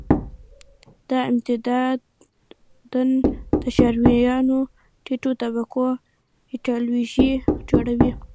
دا عمدتاً د ښاریانو ټیټو طبقو ایدیالوژي جوړوي.